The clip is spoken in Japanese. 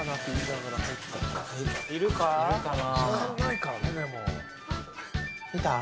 いるかな？